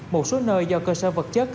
một số nơi do cơ sở vật chất